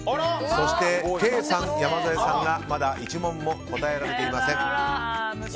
そして、ケイさんと山添さんがまだ１問も答えられていません。